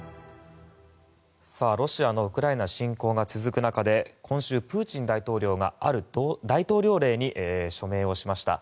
ロシアのウクライナ侵攻が続く中で今週、プーチン大統領がある大統領令に署名をしました。